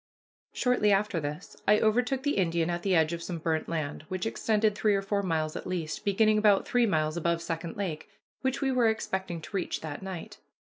Shortly after this I overtook the Indian at the edge of some burnt land, which extended three or four miles at least, beginning about three miles above Second Lake, which we were expecting to reach that night.